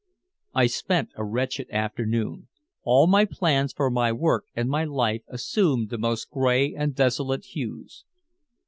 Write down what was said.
I spent a wretched afternoon. All my plans for my work and my life assumed the most gray and desolate hues.